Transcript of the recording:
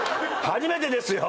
初めてですよ。